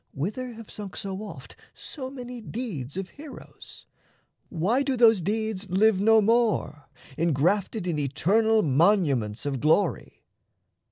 Whither have sunk so oft so many deeds Of heroes? Why do those deeds live no more, Ingrafted in eternal monuments Of glory?